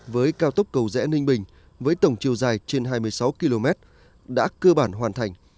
với cao tốc cầu rẽ ninh bình với tổng chiều dài trên hai mươi sáu km đã cơ bản hoàn thành